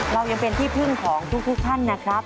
เรายังเป็นที่พึ่งของทุกท่านนะครับ